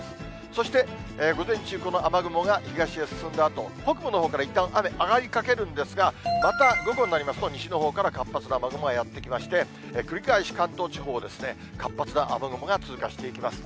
そして、午前中、この雨雲が東へ進んだあと、北部のほうからいったん雨上がりかけるんですが、また午後になりますと、西のほうから活発な雨雲がやって来まして、繰り返し関東地方を活発な雨雲が通過していきます。